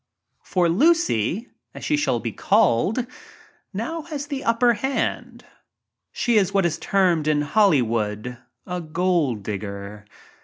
^ For Lucy — as she shall be called — now has ^v, upper hand. She is what is termed in Hollywood "a gold digger."